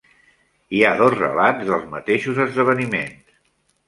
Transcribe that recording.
Hi ha dos relats dels mateixos esdeveniments.